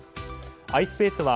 アイスペースは